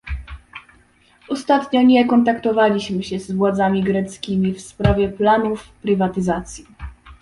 Ostatnio nie kontaktowaliśmy się z władzami greckimi w sprawie planów prywatyzacji